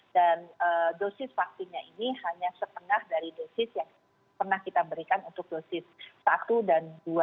dan dosis vaksinnya ini hanya setengah dari dosis yang pernah kita berikan untuk dosis satu dan dua